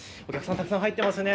たくさん入っていますね。